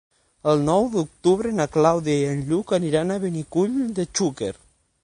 El nou d'octubre na Clàudia i en Lluc aniran a Benicull de Xúquer.